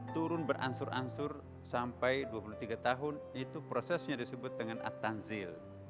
turun berangsur angsur sampai dua puluh tiga tahun itu prosesnya disebut dengan at tanzil